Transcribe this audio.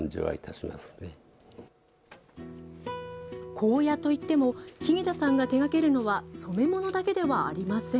紺屋といっても日下田さんが手がけるのは染め物だけではありません。